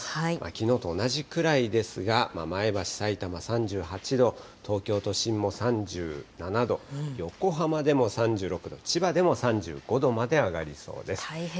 きのうと同じくらいですが、前橋、さいたま３８度、東京都心も３７度、横浜でも３６度、千葉でも３５度まで上がりそうです。